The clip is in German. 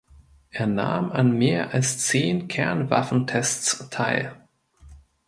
Er nahm an mehr als zehn Kernwaffentests teil.